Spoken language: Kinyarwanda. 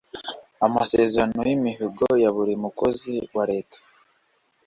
amasezerano y’imihigo ya buri mukozi wa leta